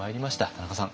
田中さん